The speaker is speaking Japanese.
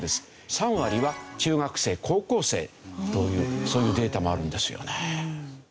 ３割は中学生高校生というそういうデータもあるんですよね。